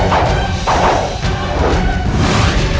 perartir tuhan melukis dirinya